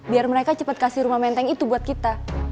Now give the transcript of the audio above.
biar mereka cepat kasih rumah menteng itu buat kita